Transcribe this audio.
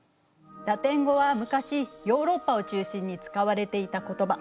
ラテン語は昔ヨーロッパを中心に使われていた言葉。